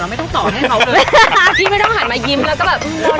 ไม่ต้องสอนให้เขาเลยตากที่ไม่ต้องหันมายิ้มแล้วก็แบบ